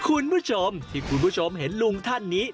คุณผู้ชมที่คุณผู้ชมเห็นลุงท่านนี้